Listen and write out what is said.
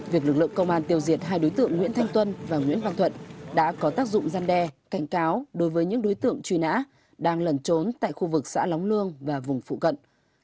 việc lực lượng công an tiêu diệt hai đối tượng nguyễn thanh tuân và nguyễn văn thuận đã có tác dụng gian đe cảnh cáo đối với những đối tượng truy nã đang lần trốn tại khu vực xã lóng luông và vùng phụ cận